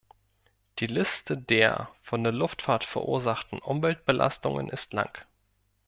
Die Liste der von der Luftfahrt verursachten Umweltbelastungen ist lang.